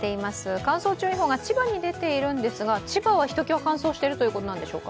乾燥注意報が千葉に出ているそうですが千葉はひときわ乾燥しているということでしょうか？